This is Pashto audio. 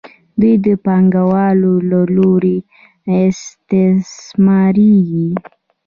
دوی د پانګوالو له لوري استثمارېږي